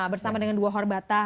bersama dengan dua horbata